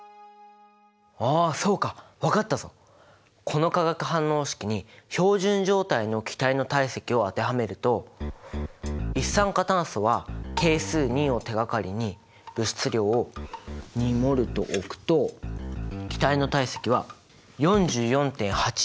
この化学反応式に標準状態の気体の体積を当てはめると一酸化炭素は係数２を手がかりに物質量を２ｍｏｌと置くと気体の体積は４４．８Ｌ。